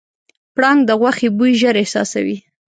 پړانګ د غوښې بوی ژر احساسوي.